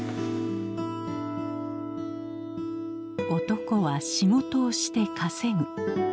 男は仕事をして稼ぐ。